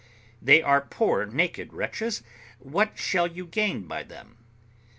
They are poor naked wretches; what shall you gain by them?